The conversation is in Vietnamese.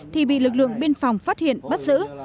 thì bị lực lượng biên phòng phát hiện bắt giữ